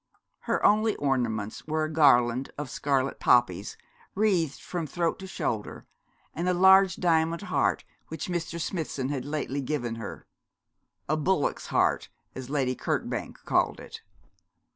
Her only ornaments were a garland of scarlet poppies wreathed from throat to shoulder, and a large diamond heart which Mr. Smithson had lately given her; 'a bullock's heart,' as Lady Kirkbank called it.